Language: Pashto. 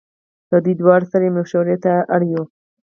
له دواړو سره یې مشوړې ته اړ یو.